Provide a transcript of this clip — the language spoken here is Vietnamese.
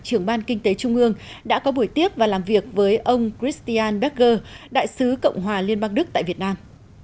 trưởng ban kinh tế trung ương đã có buổi tiếp và làm việc với ông christian burger đại sứ cộng hòa liên bang đức tại việt nam